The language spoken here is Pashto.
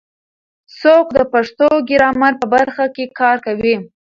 څوک د پښتو ګرامر په برخه کې کار کوي؟